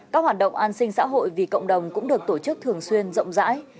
các hoạt động an sinh xã hội vì cộng đồng cũng được tổ chức thường xuyên rộng rãi